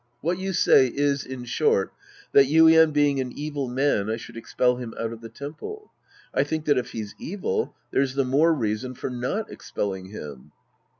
What you say is, in short, that Yuien being an evil man, I should expel him out of the temple. I tliink that if he's evil, there's the more reason for not expelling him.